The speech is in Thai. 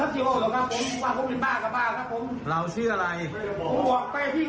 ชื่ออะไรผมจะได้หาชื่อถูก